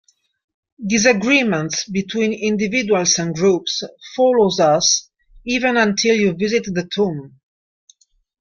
Disagreements between individuals and groups follows us "even until you visit the tombs".